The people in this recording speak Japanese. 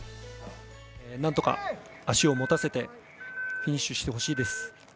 なんとか足を持たせてフィニッシュしてほしいです。